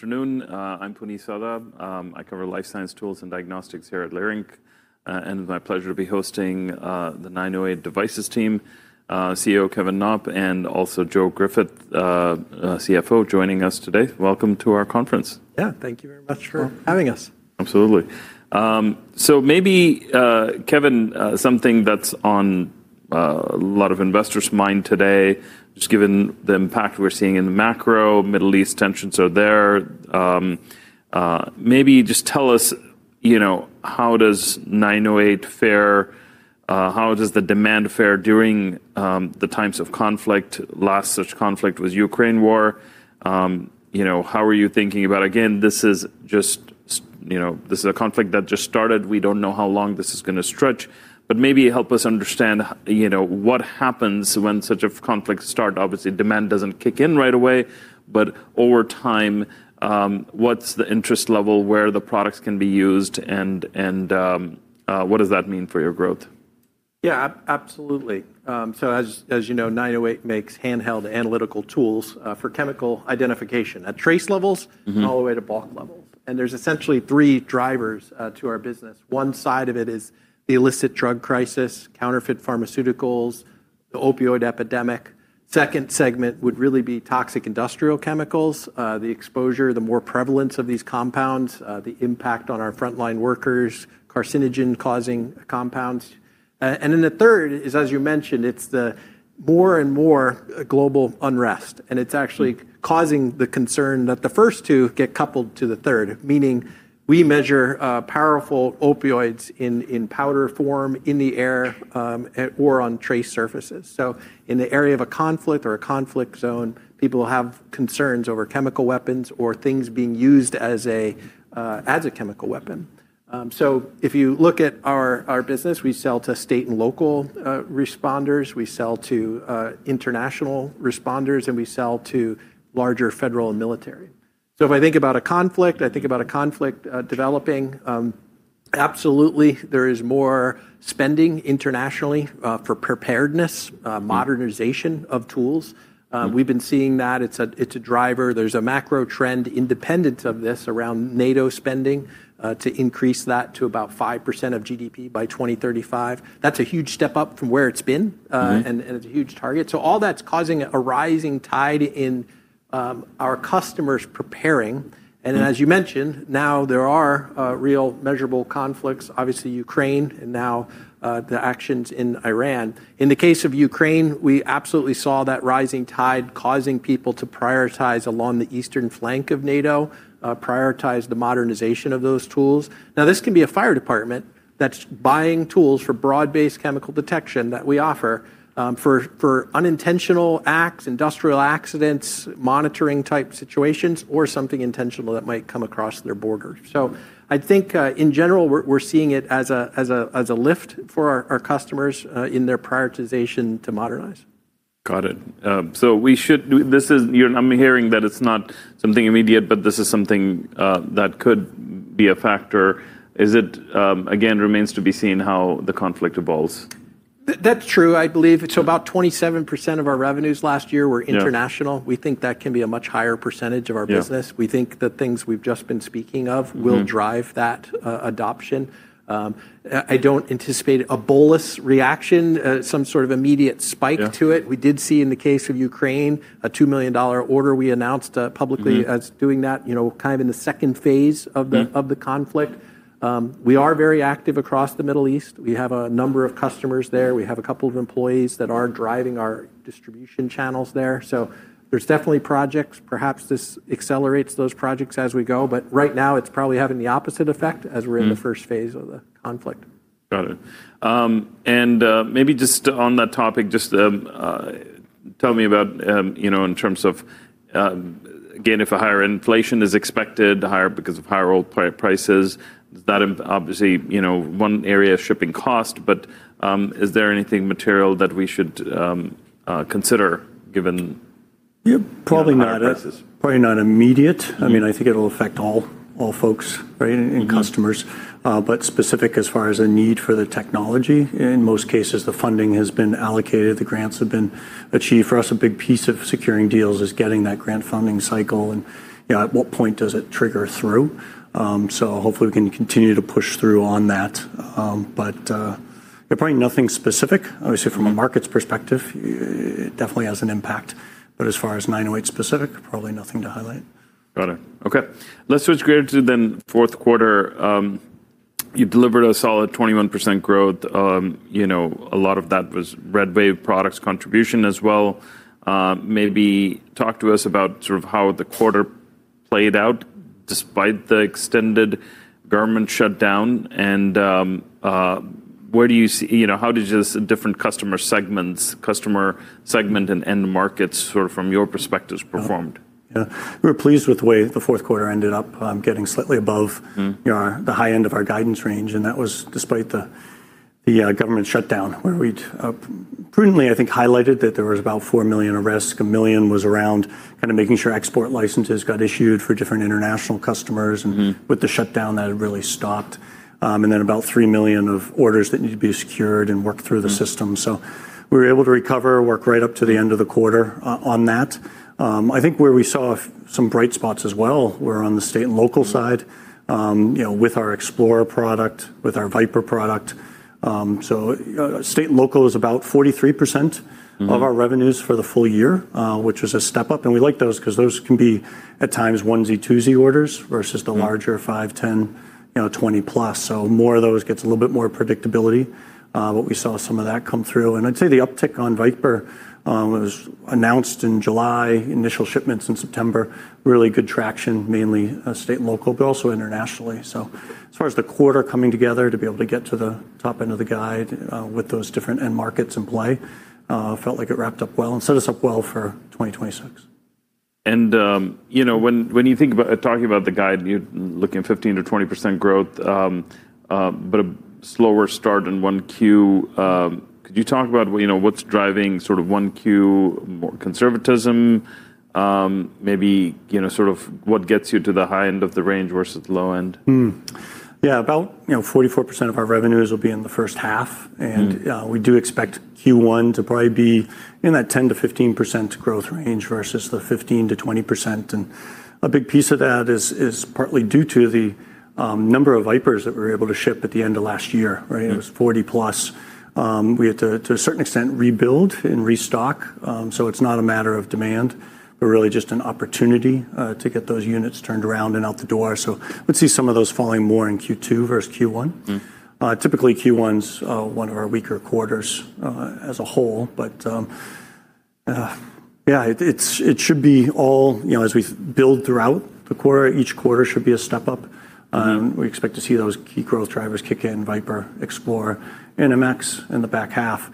Afternoon. I'm Puneet Souda. I cover life science tools and diagnostics here at Leerink. My pleasure to be hosting the 908 Devices team, CEO Kevin Knopp, and also Joe Griffith, CFO joining us today. Welcome to our conference. Yeah, thank you very much. Welcome... having us. Absolutely. Maybe Kevin, something that's on a lot of investors' mind today, just given the impact we're seeing in the macro, Middle East tensions are there, maybe just tell us, you know, how does 908 Devices fare, how does the demand fare during the times of conflict? Last such conflict was Ukraine war. You know, how are you thinking about... Again, this is just you know, this is a conflict that just started. We don't know how long this is gonna stretch, maybe help us understand you know, what happens when such a conflict start. Obviously, demand doesn't kick in right away, but over time, what's the interest level where the products can be used and what does that mean for your growth? Yeah, absolutely. As, as you know, 908 makes handheld analytical tools, for chemical identification at trace levels. Mm-hmm... all the way to bulk levels. There's essentially three drivers to our business. One side of it is the illicit drug crisis, counterfeit pharmaceuticals, the opioid epidemic. Second segment would really be toxic industrial chemicals, the exposure, the more prevalence of these compounds, the impact on our frontline workers, carcinogen-causing compounds. Then the third is, as you mentioned, it's the more and more global unrest, and it's actually causing the concern that the first two get coupled to the third, meaning we measure powerful opioids in powder form in the air, or on trace surfaces. In the area of a conflict or a conflict zone, people have concerns over chemical weapons or things being used as a chemical weapon. If you look at our business, we sell to state and local responders, we sell to international responders, and we sell to larger federal and military. If I think about a conflict developing, absolutely there is more spending internationally for preparedness... Mm... modernization of tools. We've been seeing that. It's a, it's a driver. There's a macro trend independent of this around NATO spending to increase that to about 5% of GDP by 2035. That's a huge step up from where it's been. Mm... and it's a huge target. All that's causing a rising tide in our customers preparing. Mm. As you mentioned, now there are real measurable conflicts, obviously Ukraine and now the actions in Iran. In the case of Ukraine, we absolutely saw that rising tide causing people to prioritize along the eastern flank of NATO, prioritize the modernization of those tools. Now, this can be a fire department that's buying tools for broad-based chemical detection that we offer, for unintentional acts, industrial accidents, monitoring type situations, or something intentional that might come across their border. I think, in general, we're seeing it as a lift for our customers, in their prioritization to modernize. Got it. I'm hearing that it's not something immediate, but this is something that could be a factor. Is it, again, remains to be seen how the conflict evolves. That's true. I believe so, about 27% of our revenues last year were international. Yeah. We think that can be a much higher percentage of our business. Yeah. We think the things we've just been speaking of. Mm... will drive that adoption. I don't anticipate a bolus reaction, some sort of immediate spike to it. Yeah. We did see in the case of Ukraine a $2 million order we announced, publicly. Mm... as doing that, you know, kind of in the second phase of the. Yeah... of the conflict. We are very active across the Middle East. We have a number of customers there. We have a couple of employees that are driving our distribution channels there. There's definitely projects. Perhaps this accelerates those projects as we go. Right now, it's probably having the opposite effect. Mm... in the first phase of the conflict. Got it. Maybe just on that topic, just tell me about, you know, in terms of, again, if a higher inflation is expected, higher because of higher oil prices, does that obviously, you know, one area shipping cost, but is there anything material that we should consider given-? Yeah, probably not. higher prices... probably not immediate. Yeah. I mean, I think it'll affect all folks, right? Mm. Customers. Specific as far as a need for the technology, in most cases, the funding has been allocated, the grants have been achieved. For us, a big piece of securing deals is getting that grant funding cycle and, you know, at what point does it trigger through. Hopefully we can continue to push through on that. Yeah, probably nothing specific. Obviously, from a markets perspective, it definitely has an impact. As far as 908 Devices specific, probably nothing to highlight. Got it. Okay. Let's switch gears to fourth quarter. You delivered a solid 21% growth. You know, a lot of that was RedWave products contribution as well. Maybe talk to us about sort of how the quarter played out despite the extended government shutdown and, you know, how did just different customer segments and end markets sort of from your perspectives performed? Yeah. We're pleased with the way the fourth quarter ended up, getting slightly above- Mm... you know, the high end of our guidance range, and that was despite the The government shutdown where we'd prudently, I think, highlighted that there was about $4 million at risk. $1 million was around kind of making sure export licenses got issued for different international customers. Mm-hmm... and with the shutdown, that had really stopped. Then about $3 million of orders that need to be secured and worked through the system. Mm-hmm. We were able to recover, work right up to the end of the quarter on that. I think where we saw some bright spots as well were on the state and local side. Mm-hmm... you know, with our XplorIR product, with our VipIR product. State and local is about 43%. Mm-hmm... of our revenues for the full year, which was a step up. We like those 'cause those can be, at times, onesie-twosie orders versus- Mm-hmm... the larger 5, 10, you know, 20 plus. More of those gets a little bit more predictability. What we saw some of that come through. I'd say the uptick on VipIR was announced in July, initial shipments in September. Really good traction, mainly, state and local, but also internationally. As far as the quarter coming together to be able to get to the top end of the guide, felt like it wrapped up well and set us up well for 2026. you know, when you think about Talking about the guide, you're looking at 15%-20% growth, but a slower start in 1Q. Could you talk about, you know, what's driving sort of 1Q conservatism? Maybe, you know, sort of what gets you to the high end of the range versus low end? Yeah. About, you know, 44% of our revenues will be in the first half. Mm-hmm. We do expect Q1 to probably be in that 10%-15% growth range versus the 15%-20%. A big piece of that is partly due to the number of VipIRs that we were able to ship at the end of last year, right? Mm-hmm. It was 40+. We had to a certain extent rebuild and restock. It's not a matter of demand, but really just an opportunity to get those units turned around and out the door. Would see some of those falling more in Q2 versus Q1. Mm-hmm. Typically Q1 is one of our weaker quarters as a whole. You know, as we build throughout the quarter, each quarter should be a step up. We expect to see those key growth drivers kick in, VipIR, XplorIR, MX in the back half.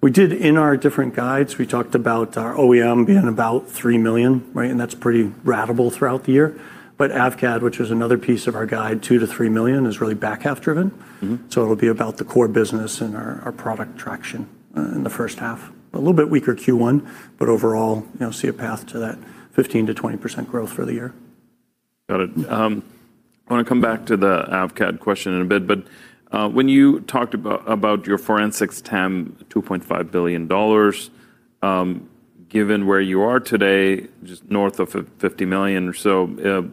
We did in our different guides, we talked about our OEM being about $3 million, right? That's pretty ratable throughout the year. AVCAD, which was another piece of our guide, $2 million-$3 million, is really back half driven. Mm-hmm. It'll be about the core business and our product traction in the first half. A little bit weaker Q1, but overall, you know, see a path to that 15%-20% growth for the year. Got it. I want to come back to the AVCAD question in a bit, when you talked about your forensics TAM $2.5 billion, given where you are today, just north of $50 million or so,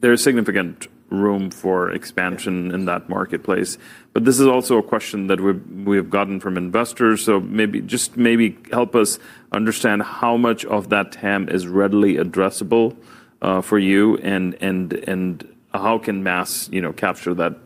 there's significant room for expansion in that marketplace. This is also a question that we've gotten from investors. Maybe just maybe help us understand how much of that TAM is readily addressable for you and how can mass spec, you know, capture that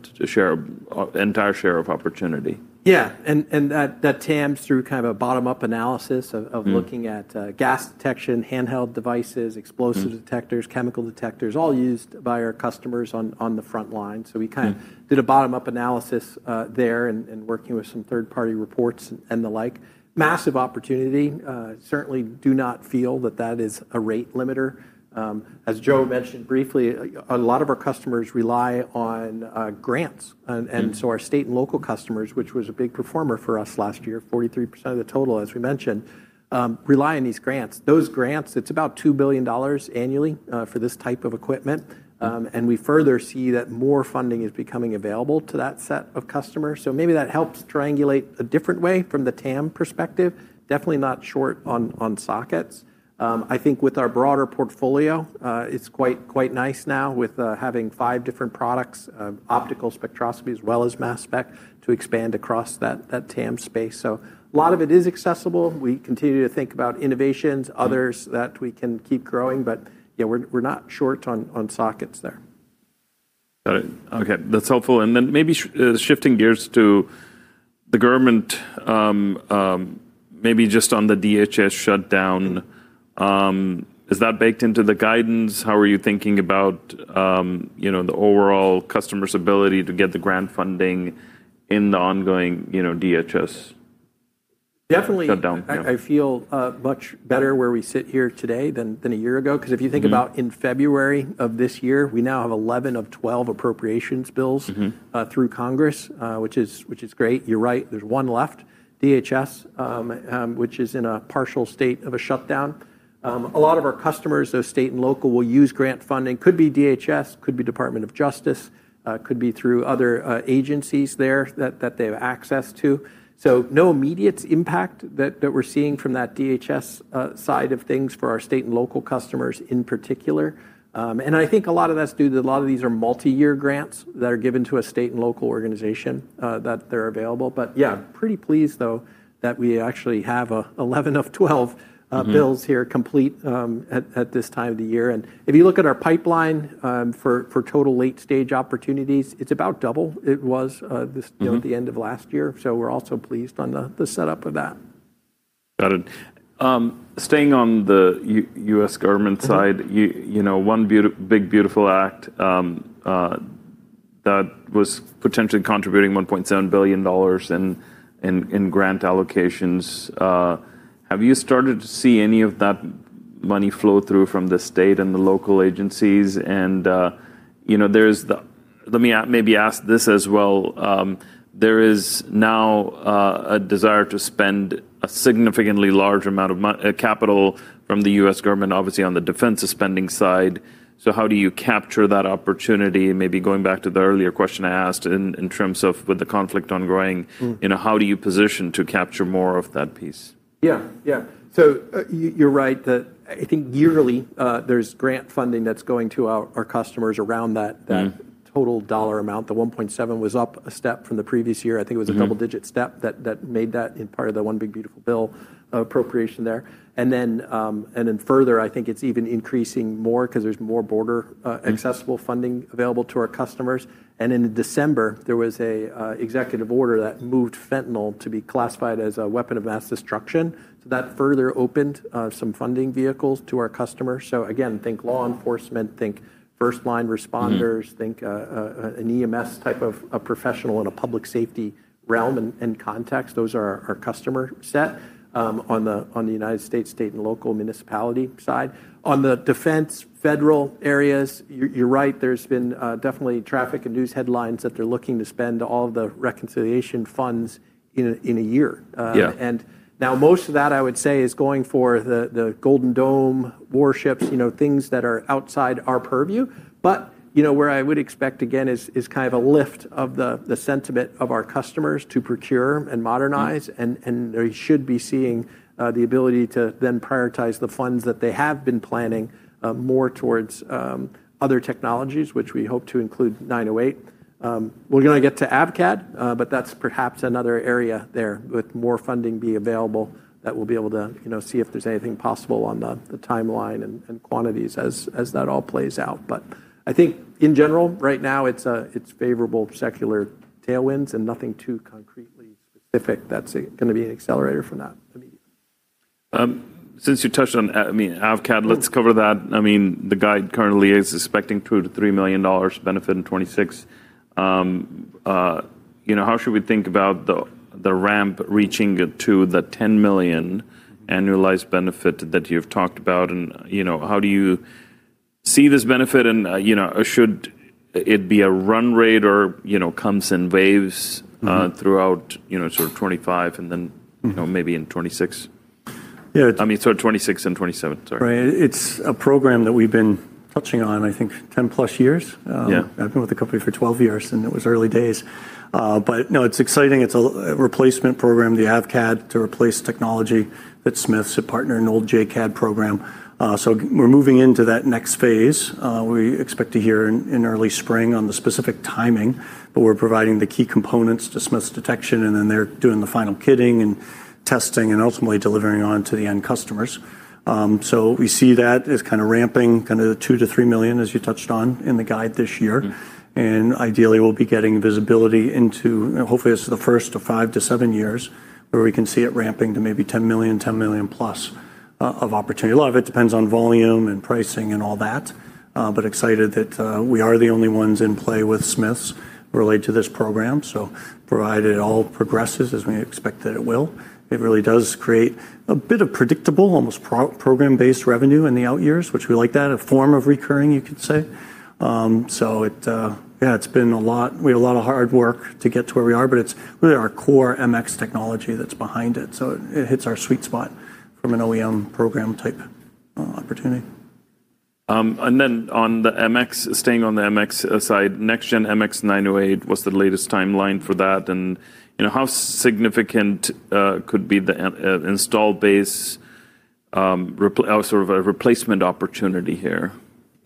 entire share of opportunity? Yeah. That TAM is through kind of a bottom-up analysis. Mm-hmm... of looking at, gas detection, handheld devices- Mm-hmm... explosive detectors, chemical detectors, all used by our customers on the front line. Mm-hmm. We kind of did a bottom-up analysis, there and working with some third-party reports and the like. Massive opportunity. Certainly do not feel that that is a rate limiter. As Joe mentioned briefly, a lot of our customers rely on grants. Mm-hmm. Our state and local customers, which was a big performer for us last year, 43% of the total, as we mentioned, rely on these grants. Those grants, it's about $2 billion annually, for this type of equipment. We further see that more funding is becoming available to that set of customers, so maybe that helps triangulate a different way from the TAM perspective. Definitely not short on sockets. I think with our broader portfolio, it's quite nice now with having five different products, optical spectroscopy as well as mass spec to expand across that TAM space. A lot of it is accessible. We continue to think about innovations. Mm-hmm others that we can keep growing. Yeah, we're not short on sockets there. Got it. Okay. That's helpful. Then maybe shifting gears to the government, maybe just on the DHS shutdown, is that baked into the guidance? How are you thinking about, you know, the overall customer's ability to get the grant funding in the ongoing, you know, DHS? Definitely-... shutdown? Yeah.... I feel much better where we sit here today than a year ago. Mm-hmm. 'Cause if you think about in February of this year, we now have 11 of 12 appropriations bills. Mm-hmm... through Congress, which is great. You're right, there's one left, DHS, which is in a partial state of a shutdown. A lot of our customers, those state and local, will use grant funding. Could be DHS, could be Department of Justice, could be through other agencies there that they have access to. No immediate impact that we're seeing from that DHS side of things for our state and local customers in particular. I think a lot of that's due to a lot of these are multi-year grants that are given to a state and local organization that they're available. Pretty pleased though that we actually have 11 of 12. Mm-hmm... bills here complete, at this time of the year. If you look at our pipeline, for total late-stage opportunities, it's about double it was. Mm-hmm... you know, at the end of last year. We're also pleased on the setup of that. Got it. staying on the U.S. government side- Mm-hmm you know, one big beautiful act that was potentially contributing $1.7 billion in grant allocations. Have you started to see any of that money flow through from the state and the local agencies and, you know, there's the? Let me maybe ask this as well. There is now a desire to spend a significantly large amount of capital from the U.S. government, obviously on the defense spending side. How do you capture that opportunity? Maybe going back to the earlier question I asked in terms of with the conflict ongoing. Mm. you know, how do you position to capture more of that piece? Yeah. you're right that I think yearly, there's grant funding that's going to our customers. Mm. that total dollar amount. The $1.7 was up a step from the previous year. Mm-hmm. I think it was a double-digit step that made that in part of the one big beautiful bill appropriation there. Further, I think it's even increasing more 'cause there's more border. Mm accessible funding available to our customers. In December, there was a executive order that moved fentanyl to be classified as a weapon of mass destruction. That further opened some funding vehicles to our customers. Again, think law enforcement, think first line responders. Mm... think, an EMS type of a professional in a public safety realm and context. Those are our customer set, on the United States state and local municipality side. On the defense federal areas, you're right. There's been, definitely traffic and news headlines that they're looking to spend all the reconciliation funds in a year. Yeah... and now most of that I would say is going for the golden dome warships, you know, things that are outside our purview. You know, where I would expect again is kind of a lift of the sentiment of our customers to procure and modernize- Mm They should be seeing the ability to then prioritize the funds that they have been planning more towards other technologies, which we hope to include 908. We're gonna get to AVCAD, but that's perhaps another area there with more funding be available that we'll be able to, you know, see if there's anything possible on the timeline and quantities as that all plays out. I think in general, right now, it's favorable secular tailwinds and nothing too concretely specific that's gonna be an accelerator for that immediately. Since you touched on, I mean, AVCAD, let's cover that. I mean, the guide currently is expecting $2 million-$3 million benefit in 2026. You know, how should we think about the ramp reaching to the $10 million annualized benefit that you've talked about? You know, how do you see this benefit and, you know, should it be a run rate or, you know, comes in waves? Mm... throughout, you know, sort of 25 and Mm-hmm you know, maybe in 2026? Yeah. I mean, sorry, 26 and 27. Sorry. Right. It's a program that we've been touching on, I think 10-plus years. Yeah I've been with the company for 12 years. It was early days. No, it's exciting. It's a replacement program, the AVCAD, to replace technology that Smiths is a partner, an old JCAD program. We're moving into that next phase. We expect to hear in early spring on the specific timing, but we're providing the key components to Smiths Detection. They're doing the final kitting and testing and ultimately delivering on to the end customers. We see that as kind of ramping kind of the $2 million-$3 million, as you touched on in the guide this year. Mm. Ideally, we'll be getting visibility into. Hopefully, it's the first of five to seven years where we can see it ramping to maybe $10 million, $10 million+ of opportunity. A lot of it depends on volume and pricing and all that, but excited that we are the only ones in play with Smiths related to this program. Provided it all progresses as we expect that it will, it really does create a bit of predictable, almost pro-program-based revenue in the out years, which we like that, a form of recurring, you could say. So it. Yeah, it's been a lot. We had a lot of hard work to get to where we are, but it's really our core MX technology that's behind it. It hits our sweet spot from an OEM program type opportunity. On the MX, staying on the MX side, next-gen MX908, what's the latest timeline for that? You know, how significant could be the install base replacement opportunity here?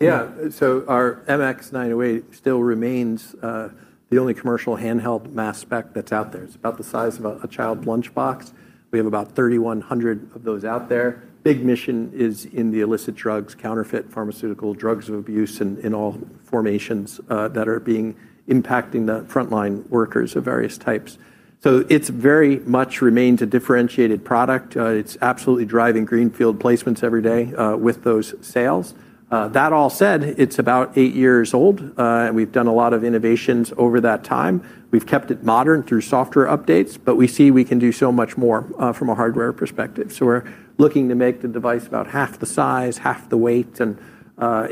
Our MX908 still remains the only commercial handheld mass spec that's out there. It's about the size of a child lunchbox. We have about 3,100 of those out there. Big mission is in the illicit drugs, counterfeit pharmaceutical drugs of abuse in all formations, that are being impacting the frontline workers of various types. It's very much remained a differentiated product. It's absolutely driving greenfield placements every day with those sales. That all said, it's about 8 years old, and we've done a lot of innovations over that time. We've kept it modern through software updates, but we see we can do so much more from a hardware perspective. We're looking to make the device about half the size, half the weight, and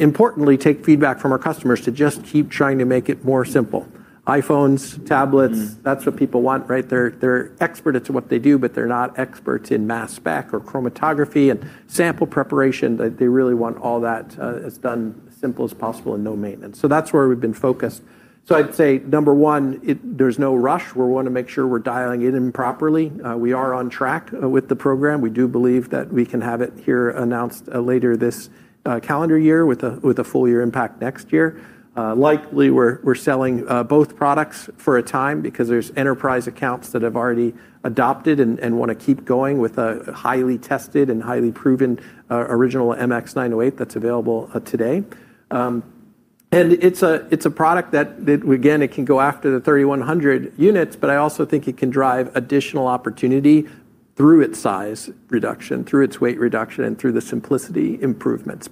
importantly, take feedback from our customers to just keep trying to make it more simple. iPhones, tablets. Mm... that's what people want, right? They're expert at what they do, but they're not experts in mass spec or chromatography and sample preparation. They really want all that as done as simple as possible and no maintenance. That's where we've been focused. I'd say, number one, there's no rush. We wanna make sure we're dialing it in properly. We are on track with the program. We do believe that we can have it here announced later this calendar year with a full year impact next year. Likely, we're selling both products for a time because there's enterprise accounts that have already adopted and wanna keep going with a highly tested and highly proven original MX908 that's available today. It's a product that again, it can go after the 3,100 units, but I also think it can drive additional opportunity. Through its size reduction, through its weight reduction, and through the simplicity improvements.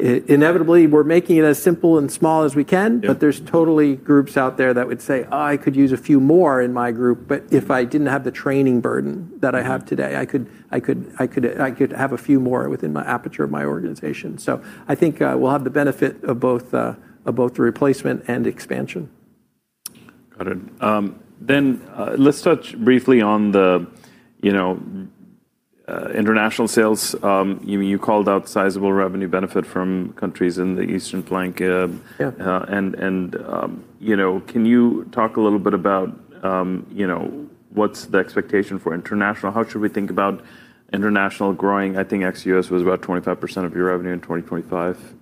Inevitably, we're making it as simple and small as we can. Yeah... there's totally groups out there that would say, "I could use a few more in my group, but if I didn't have the training burden that I have today, I could have a few more within my aperture of my organization." I think, we'll have the benefit of both, of both the replacement and expansion. Got it. Let's touch briefly on the, you know, international sales. You called out sizable revenue benefit from countries in the Eastern flank. Yeah... you know, can you talk a little bit about, you know, what's the expectation for international? How should we think about international growing? I think ex-US was about 25% of your revenue in 2025.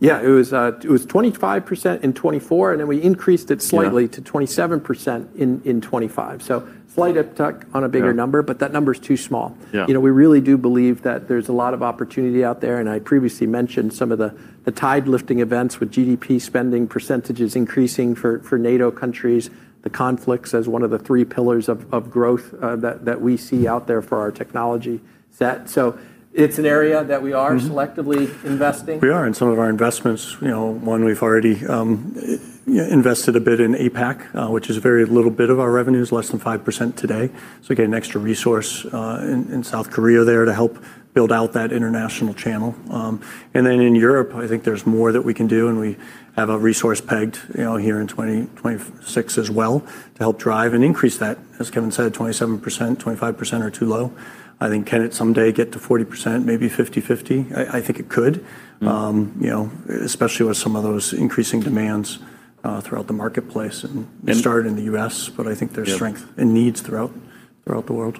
Yeah. It was, it was 25% in 2024, and then we increased it slightly- Yeah... to 27% in 2025. Slight up tick on a bigger number. Yeah... but that number is too small. Yeah. You know, we really do believe that there's a lot of opportunity out there. I previously mentioned some of the tide lifting events with GDP spending % increasing for NATO countries, the conflicts as one of the three pillars of growth, that we see out there for our technology set. It's an area that we are selectively investing. We are, and some of our investments, you know, one we've already invested a bit in APAC, which is a very little bit of our revenues, less than 5% today. We get an extra resource in South Korea there to help build out that international channel. In Europe, I think there's more that we can do, and we have a resource pegged, you know, here in 2026 as well to help drive and increase that. As Kevin said, 27%, 25% are too low. I think can it someday get to 40%, maybe 50/50? I think it could. Mm. You know, especially with some of those increasing demands, throughout the marketplace. And-... it started in the U.S., but I think there's strength- Yeah... and needs throughout the world.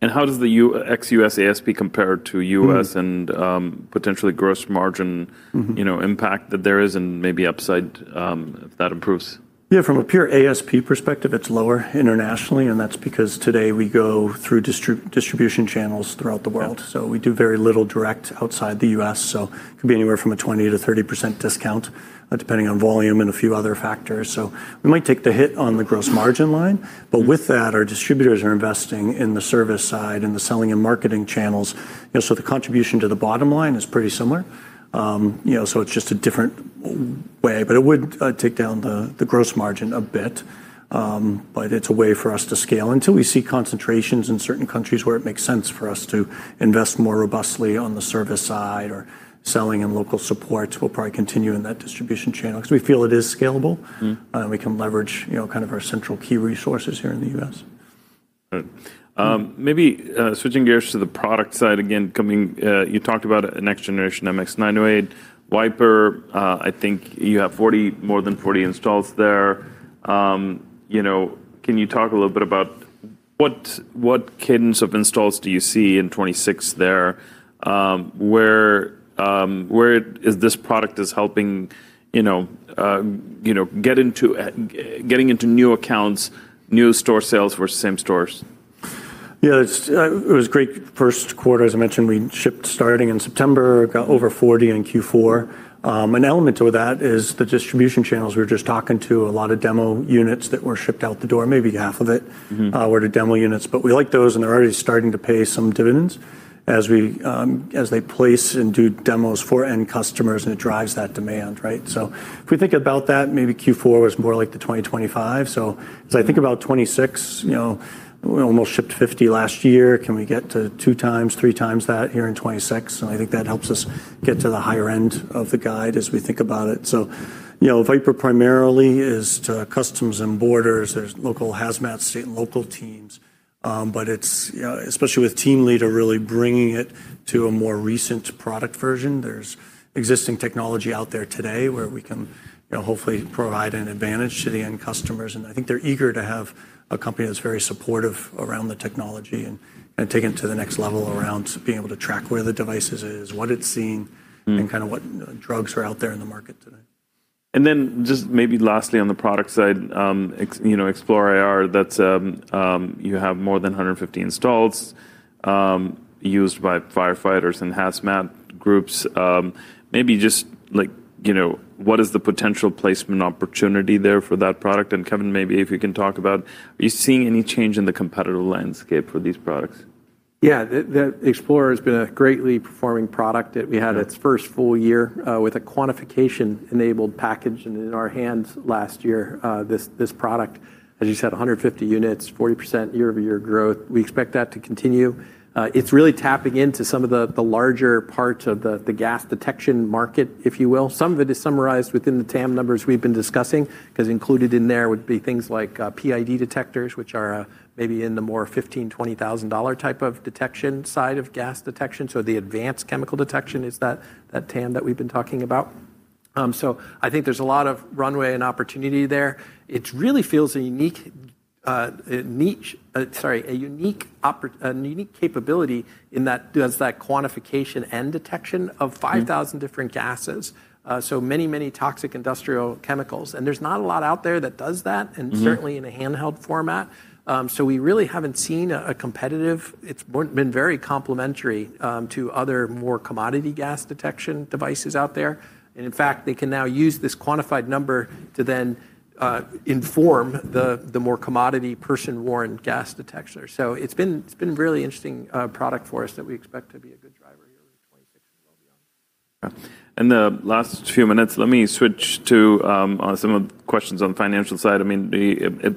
How does the ex-U.S. ASP compare to U.S.? Mm-hmm... and, potentially gross margin- Mm-hmm... you know, impact that there is and maybe upside, if that improves? Yeah. From a pure ASP perspective, it's lower internationally. That's because today we go through distribution channels throughout the world. Yeah. We do very little direct outside the U.S. It could be anywhere from a 20%-30% discount, depending on volume and a few other factors. We might take the hit on the gross margin line, but with that, our distributors are investing in the service side and the selling and marketing channels. You know, the contribution to the bottom line is pretty similar. You know, it's just a different way, but it would take down the gross margin a bit. It's a way for us to scale. Until we see concentrations in certain countries where it makes sense for us to invest more robustly on the service side or selling and local support, we'll probably continue in that distribution channel 'cause we feel it is scalable. Mm. We can leverage, you know, kind of our central key resources here in the U.S. Right. maybe switching gears to the product side again, coming, you talked about a next generation MX908 VipIR. I think you have 40, more than 40 installs there. you know, can you talk a little bit about what cadence of installs do you see in 2026 there? where is this product is helping, you know, getting into new accounts, new store sales versus same stores? Yeah. It's, it was great first quarter. As I mentioned, we shipped starting in September, got over 40 in Q4. An element to that is the distribution channels. We're just talking to a lot of demo units that were shipped out the door. Maybe half of it. Mm-hmm... were the demo units. We like those, and they're already starting to pay some dividends as we, as they place and do demos for end customers, and it drives that demand, right? If we think about that, maybe Q4 was more like the 2025. As I think about 2026, we almost shipped 50 last year. Can we get to two times, three times that here in 2026? I think that helps us get to the higher end of the guide as we think about it. VipIR primarily is to customs and borders. There's local hazmat state and local teams, but it's especially with Team Leader really bringing it to a more recent product version, there's existing technology out there today where we can hopefully provide an advantage to the end customers. I think they're eager to have a company that's very supportive around the technology and take it to the next level around being able to track where the devices is, what it's seeing. Mm and kind of what drugs are out there in the market today. Just maybe lastly on the product side, you know, XplorIR, that's, you have more than 150 installs, used by firefighters and hazmat groups. Maybe just like, you know, what is the potential placement opportunity there for that product? Kevin, maybe if you can talk about, are you seeing any change in the competitive landscape for these products? Yeah. The XplorIR has been a greatly performing product. Yeah we had its first full year with a quantification-enabled package and in our hands last year. This product, as you said, 150 units, 40% year-over-year growth. We expect that to continue. It's really tapping into some of the larger parts of the gas detection market, if you will. Some of it is summarized within the TAM numbers we've been discussing, 'cause included in there would be things like PID detectors, which are maybe in the more $15,000-$20,000 type of detection side of gas detection. The advanced chemical detection is that TAM that we've been talking about. I think there's a lot of runway and opportunity there. It really feels a unique, sorry, a unique capability in that does that quantification and detection of 5,000 different gases. Many toxic industrial chemicals, and there's not a lot out there that does that. Mm-hmm... and certainly in a handheld format. We really haven't seen a competitive. It's been very complementary, to other more commodity gas detection devices out there. In fact, they can now use this quantified number to then inform the more commodity person-worn gas detector. It's been really interesting product for us that we expect to be a good driver. In the last few minutes, let me switch to, on some of the questions on financial side. I mean, the,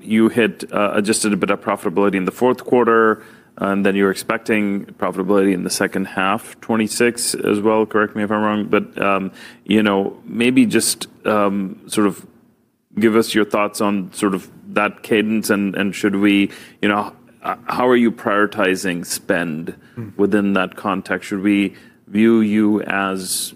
you had adjusted a bit of profitability in the fourth quarter, and then you're expecting profitability in the second half 2026 as well. Correct me if I'm wrong. You know, maybe just, sort of give us your thoughts on sort of that cadence and should we, you know, how are you prioritizing spend within that context? Should we view you as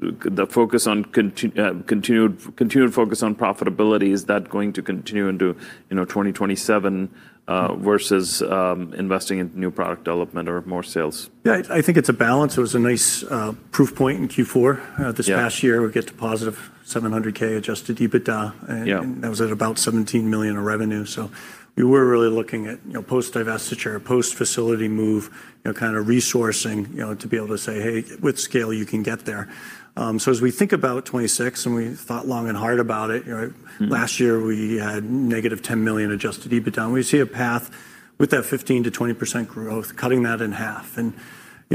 the focus on continued focus on profitability, is that going to continue into, you know, 2027, versus, investing in new product development or more sales? Yeah, I think it's a balance. It was a nice proof point in Q4. Yeah... this past year. We get to positive $700K Adjusted EBITDA. Yeah. That was at about $17 million of revenue. We were really looking at, you know, post-divestiture, post-facility move, you know, kinda resourcing, you know, to be able to say, "Hey, with scale, you can get there." As we think about 26, and we thought long and hard about it. You know. Mm-hmm... last year we had negative $10 million Adjusted EBITDA, and we see a path with that 15%-20% growth, cutting that in half. You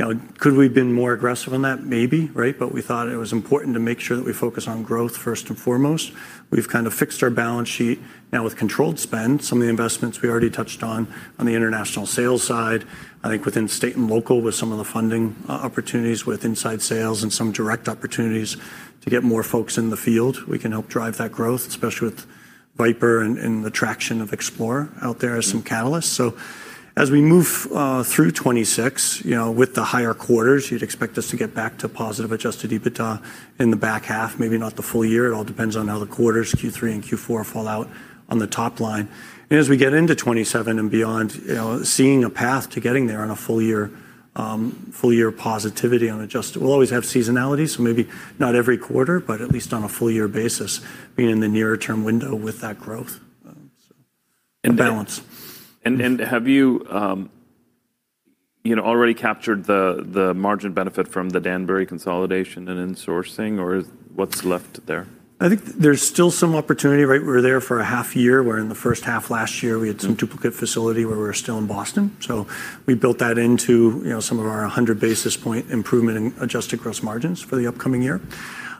know, could we have been more aggressive on that? Maybe, right? We thought it was important to make sure that we focus on growth first and foremost. We've kind of fixed our balance sheet now with controlled spend. Some of the investments we already touched on the international sales side, I think within state and local with some of the funding opportunities with inside sales and some direct opportunities to get more folks in the field, we can help drive that growth, especially with VipIR and the traction of XplorIR out there as some catalysts. As we move through 2026, you know, with the higher quarters, you'd expect us to get back to positive Adjusted EBITDA in the back half, maybe not the full year. It all depends on how the quarters Q3 and Q4 fall out on the top line. As we get into 2027 and beyond, you know, seeing a path to getting there on a full year, full year positivity on adjusted... We'll always have seasonality, so maybe not every quarter, but at least on a full year basis, being in the nearer term window with that growth, so and balance. Have you know, already captured the margin benefit from the Danbury consolidation and insourcing or what's left there? I think there's still some opportunity, right? We're there for a half year, where in the first half last year. Mm-hmm... we had some duplicate facility where we were still in Boston. We built that into, you know, some of our 100 basis point improvement in adjusted gross margins for the upcoming year.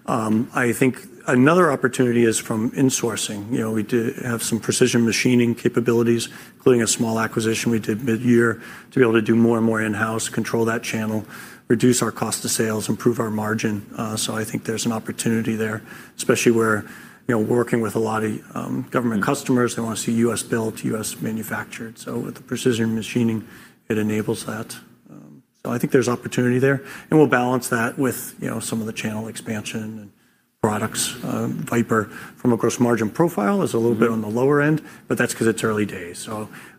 I think another opportunity is from insourcing. You know, we do have some precision machining capabilities, including a small acquisition we did mid-year to be able to do more and more in-house, control that channel, reduce our cost of sales, improve our margin. I think there's an opportunity there, especially where, you know, working with a lot of government customers, they wanna see U.S. built, U.S. manufactured. With the precision machining, it enables that. I think there's opportunity there. We'll balance that with, you know, some of the channel expansion and products. VipIR from a gross margin profile is a little bit on the lower end, but that's 'cause it's early days.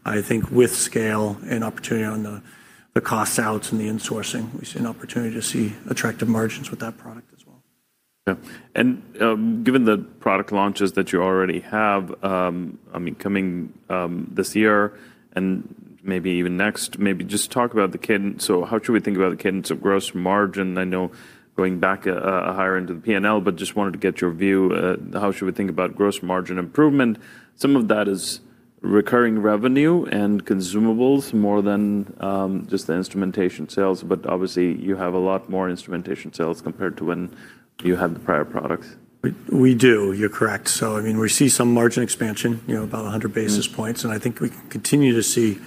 I think with scale and opportunity on the cost outs and the insourcing, we see an opportunity to see attractive margins with that product as well. Given the product launches that you already have, I mean, coming this year and maybe even next, maybe just talk about the cadence. How should we think about the cadence of gross margin? I know going back a higher end of the P&L, but just wanted to get your view, how should we think about gross margin improvement? Some of that is recurring revenue and consumables more than just the instrumentation sales, but obviously you have a lot more instrumentation sales compared to when you had the prior products. We do. You're correct. I mean, we see some margin expansion, you know, about 100 basis points. Mm-hmm. I think we continue to see,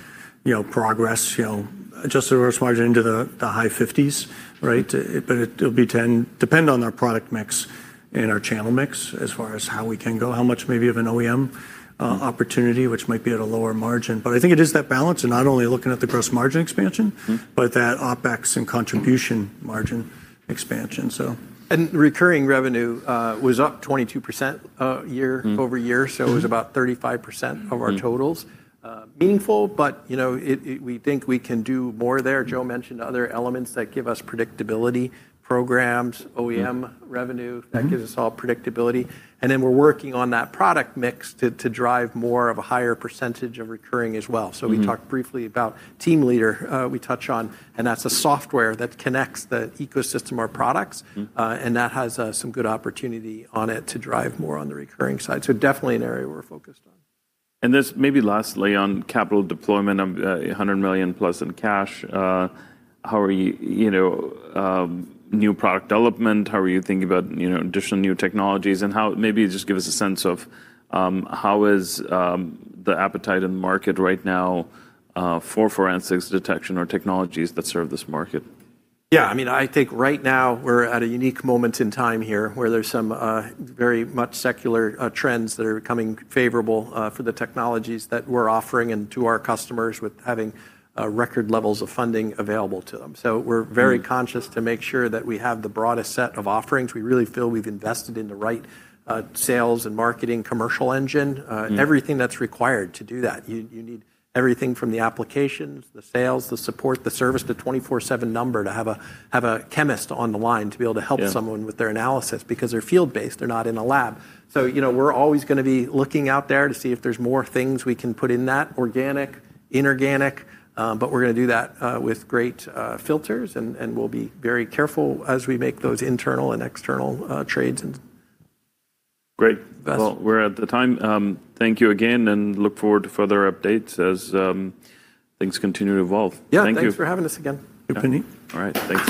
you know, progress, you know, adjusted gross margin into the high fifties, right? It'll be depend on our product mix and our channel mix as far as how we can go, how much maybe of an OEM opportunity, which might be at a lower margin. I think it is that balance and not only looking at the gross margin expansion. Mm-hmm... but that OpEx and contribution margin expansion. Recurring revenue was up 22%, year-. Mm-hmm... over year. Mm-hmm. It was about 35% of our totals. Mm-hmm. meaningful, but you know, it, we think we can do more there. Joe mentioned other elements that give us predictability. Mm-hmm... OEM revenue. Mm-hmm. That gives us all predictability. Then we're working on that product mix to drive more of a higher percentage of recurring as well. Mm-hmm. We talked briefly about Team Leader, and that's a software that connects the ecosystem, our products. Mm-hmm. That has some good opportunity on it to drive more on the recurring side. Definitely an area we're focused on. This maybe lastly on capital deployment of $100 million+ in cash. How are you know, new product development, how are you thinking about, you know, additional new technologies, maybe just give us a sense of, how is the appetite in the market right now, for forensics detection or technologies that serve this market? Yeah, I mean, I think right now we're at a unique moment in time here where there's some very much secular trends that are becoming favorable for the technologies that we're offering and to our customers with having record levels of funding available to them. We're very conscious to make sure that we have the broadest set of offerings. We really feel we've invested in the right sales and marketing commercial engine. Mm-hmm. Everything that's required to do that. You need everything from the applications, the sales, the support, the service, the 24/7 number to have a chemist on the line to be able to help someone. Yeah... with their analysis because they're field-based, they're not in a lab. You know, we're always gonna be looking out there to see if there's more things we can put in that organic, inorganic, we're gonna do that with great filters and we'll be very careful as we make those internal and external trades and... Great. Yes. We're at the time. Thank you again and look forward to further updates as things continue to evolve. Yeah. Thank you. Thanks for having us again. Yep. All right. Thank you.